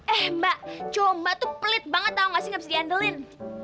eh mbak cowok mbak tuh pelit banget tau gak sih gak bisa diandelin